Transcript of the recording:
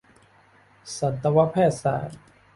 สัตวแพทยศาสตร์